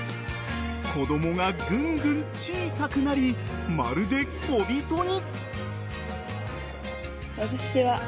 子供が、ぐんぐん小さくなりまるで小人に。